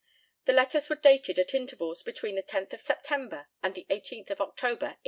The letters were dated at intervals between the 10th of September and the 18th of October, 1855.